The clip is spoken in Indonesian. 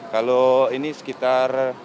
kalau ini sekitar